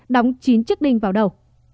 đóng chín chức đinh vào đầu